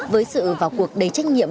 với sự vào cuộc đầy trách nhiệm